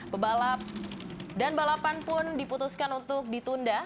pebalap dan balapan pun diputuskan untuk ditunda